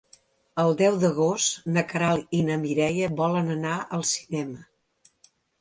El deu d'agost na Queralt i na Mireia volen anar al cinema.